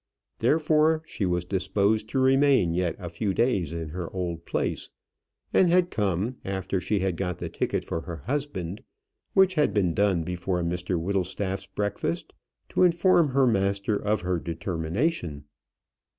Therefore she was disposed to remain yet a few days in her old place, and had come, after she had got the ticket for her husband, which had been done before Mr Whittlestaff's breakfast, to inform her master of her determination.